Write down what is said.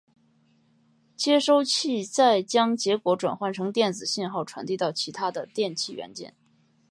接收器再将结果转换成电子信号传递到其它的电气元件。